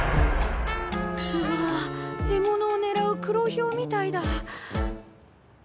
うわ獲物をねらうクロヒョウみたいだ。